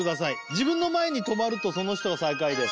自分の前に止まるとその人が最下位です